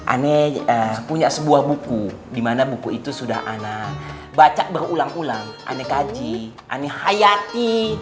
aneh punya sebuah buku dimana buku itu sudah anak baca berulang ulang aneh kaji aneh hayati